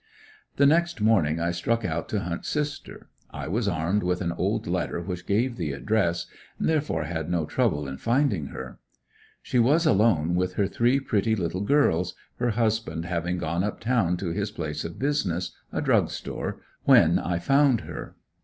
The next morning I struck out to hunt sister. I was armed with an old letter which gave the address, therefore had no trouble in finding her. She was alone with her three pretty little girls, her husband having gone up town to his place of business a drug store when I found her.